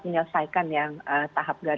menyelesaikan yang tahap